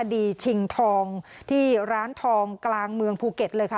ชิงทองที่ร้านทองกลางเมืองภูเก็ตเลยค่ะ